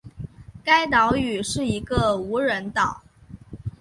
该岛屿是一个无人岛。